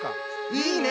いいね！